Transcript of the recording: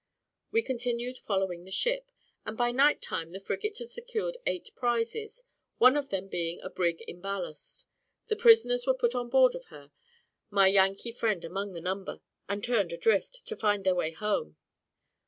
We continued following the ship, and by night time the frigate had secured eight prizes; one of them being a brig in ballast, the prisoners were put on board of her, my Yankee friend among the number, and turned adrift, to find their way home.